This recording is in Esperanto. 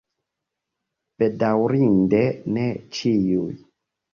Bedaŭrinde ne ĉiuj.